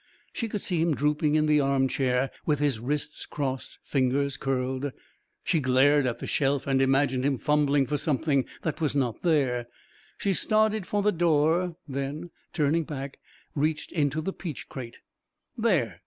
She could see him drooping in the armchair, with his wrists crossed, fingers curled. She glared at the shelf and imagined him fumbling for something that was not there. She started for the door, then, turning back, reached into the peach crate. "There!